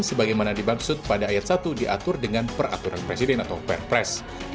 sebagaimana dimaksud pada ayat satu diatur dengan peraturan presiden atau perpres